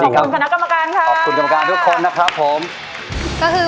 ขอขอบคุณคณะกรรมการค่ะ